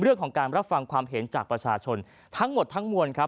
เรื่องของการรับฟังความเห็นจากประชาชนทั้งหมดทั้งมวลครับ